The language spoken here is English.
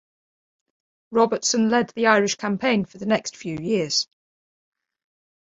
Robertson led the Irish campaign for the next few years.